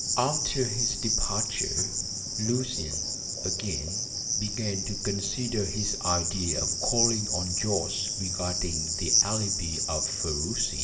After his departure, Lucian again began to consider his idea of calling on Jorce regarding the alibi of Ferruci.